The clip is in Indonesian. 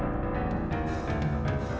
aku nyari kertas sama pulpen dulu ya